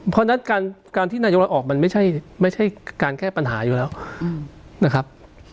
เพราะฉะนั้นการที่นายกเราออกมันไม่ใช่การแก้ปัญหาอยู่แล้วนะครับ